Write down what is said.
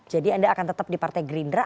jadi anda akan tetap di partai gerindra